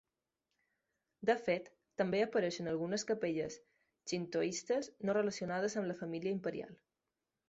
De fet, també apareix en algunes capelles xintoistes no relacionades amb la família imperial.